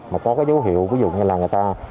mà có cái dấu hiệu ví dụ như là người ta